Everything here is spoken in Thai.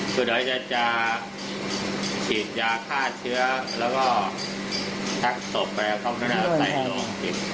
คือเดี๋ยวจะฉีดยาฆาตเชื้อแล้วก็แท็กศพไปกลับมาใส่ลง